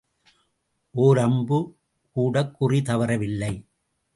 ஓர் அம்பு கூடக் குறி தவறவில்லை.